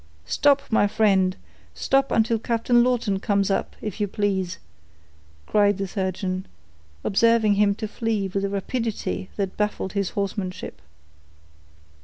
"Stop, my friend—stop until Captain Lawton comes up, if you please," cried the surgeon, observing him to flee with a rapidity that baffled his horsemanship.